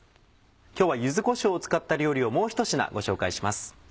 今日は柚子こしょうを使った料理をもう１品ご紹介します。